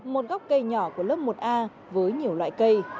một góc cây nhỏ của lớp một a với nhiều loại cây